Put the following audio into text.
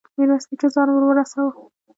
ميرويس نيکه ځان ور ورساوه.